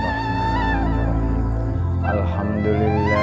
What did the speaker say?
sampai jumpa di video selanjutnya